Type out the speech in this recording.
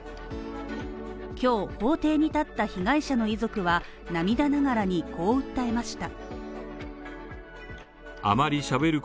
今日、法廷に立った被害者の遺族は涙ながらにこう訴えました。